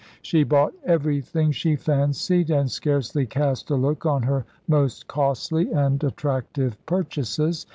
She bought everything she fancied, and scarcely cast a look on her most costly and attractive purchases.